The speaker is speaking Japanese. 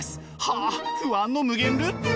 はあ不安の無限ループ。